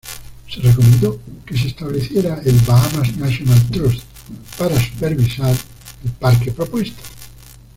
Se recomendó que se estableciera el Bahamas National Trust para supervisar el parque propuesto.